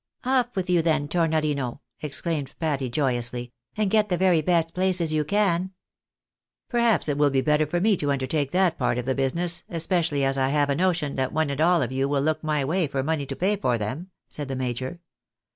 " Off with you, then, Tornorino," exclaimed Patty, joyously, •" and get the very best places you can." " Perhaps it will be better for me to undertake that part of the business, especially as I have a notion that one and all of you will look my way for money to pay for them," said the major.